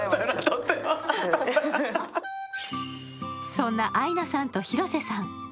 そんなアイナさんと広瀬さん。